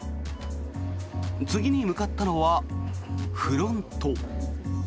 次に向かったのはフロント。